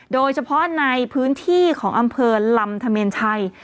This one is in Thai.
โดยเฉพาะในพื้นที่ของอำเภอลำธเมนชัย